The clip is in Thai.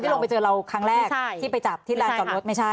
ไม่ใช่คนที่ลงไปเจอเราครั้งแรกที่ไปจับที่ร้านจอดรถไม่ใช่